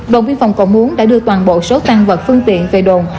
đồng biên phòng cầu muốn đã đưa toàn bộ số tăng vật phương tiện về đồn